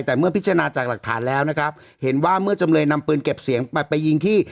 แต่เมื่อพิจารณาจากหลักฐานแล้วนะครับเห็นว่าเมื่อจำเลยนำปืนเก็บเสียงไปไปยิงที่